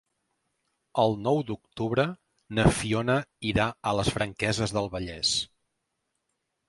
El nou d'octubre na Fiona irà a les Franqueses del Vallès.